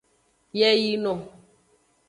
Yeyino.